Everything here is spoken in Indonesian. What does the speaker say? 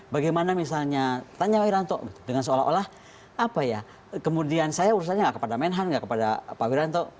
bagaimana misalnya tanya pak wiranto dengan seolah olah apa ya kemudian saya urusannya nggak kepada menhan nggak kepada pak wiranto